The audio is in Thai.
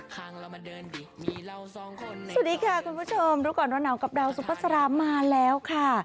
สวัสดีค่ะคุณผู้ชมดูก่อนวันนาวกับดาวสุภาษณ์มาแล้วค่ะ